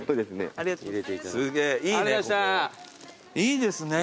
いいですね。